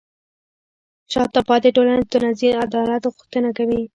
شاته پاتې ټولنه د ټولنیز عدالت غوښتنه کوي.